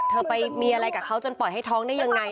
เธอไปมีอะไรกับเขาจนปล่อยให้ท้องได้ยังไง